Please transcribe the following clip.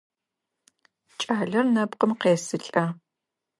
Кӏалэр нэпкъым къесылӏэ.